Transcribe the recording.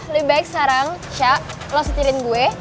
lebih baik sekarang cak lo setirin gue